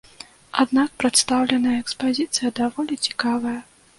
Аднак прадстаўленая экспазіцыя даволі цікавая.